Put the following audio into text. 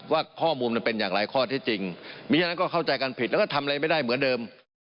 ว่าข้อมูลมันเป็นอย่างไรข้อที่จริงมีฉะนั้นก็เข้าใจการผิดแล้วก็ทำอะไรไม่ได้เหมือนเดิม